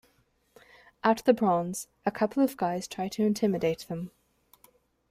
At The Bronze, a couple of guys try to intimidate them.